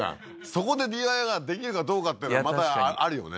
そこでＤＩＹができるかどうかっていうのはまたあるよね